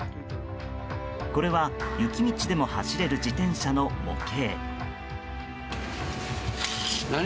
これは雪道でも走れる自転車の模型。